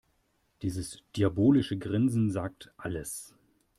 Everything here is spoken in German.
Dieses diabolische Grinsen sagt alles.